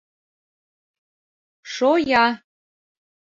— Шоя!..